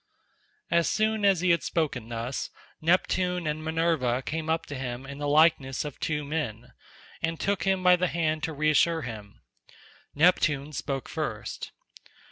As soon as he had spoken thus, Neptune and Minerva came up to him in the likeness of two men, and took him by the hand to reassure him. Neptune spoke first.